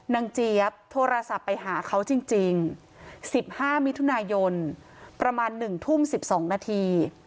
นางเจี๊ยบโทรศัพท์ไปหาเขาจริงจริงสิบห้ามิถุนายนประมาณหนึ่งทุ่มสิบสองนาที